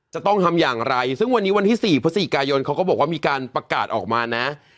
จะต้องทำอย่างไรซึ่งวันนี้วันที่๔พฤศจิกายนเขาก็บอกว่ามีการประกาศออกมานะ